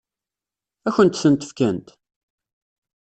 Ad kent-tent-fkent?